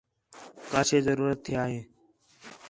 کا شے ضرورت تھیا ہِے